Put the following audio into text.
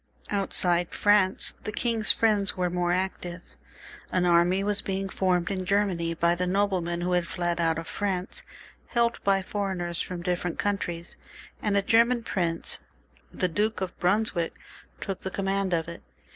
Outside France the king's friends were more active. An army was being formed in Germany by the noblemen who had fled out of France, helped by foreigners from different countries, and a German prince, the Duke of Brunswick, took the command of it.